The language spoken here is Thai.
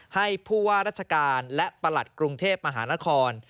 ให้ผู้ว่าราชการและประหลัดกรุงเทพมหานคร